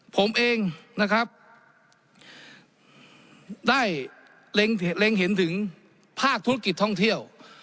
ผมเองนะครับได้เล็งเห็นถึงภาคธุรกิจท่องเที่ยว